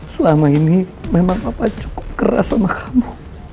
selama ini memang papa cukup keras sama kamu